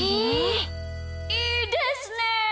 いいですね！